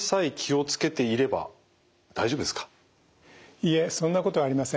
いいえそんなことはありません。